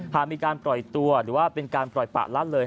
หากมีการปล่อยตัวหรือว่าเป็นการปล่อยปะละเลย